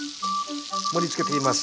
盛りつけていきます。